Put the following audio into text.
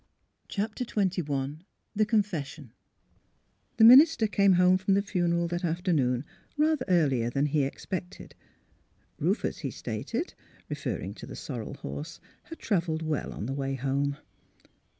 CHAPTER XXI THE CONFESSION The minister came home from the funeral that afternoon rather earlier than he expected. Rufus, he stated (referring to the sorrel horse), had travelled well on the way home.